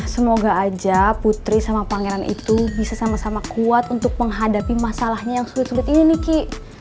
semoga aja putri sama pangeran itu bisa sama sama kuat untuk menghadapi masalahnya yang sulit sulit ini nih ki